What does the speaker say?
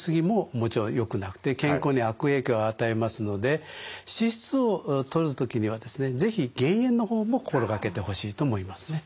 もちろんよくなくて健康に悪影響を与えますので脂質をとる時にはですね是非減塩の方も心掛けてほしいと思いますね。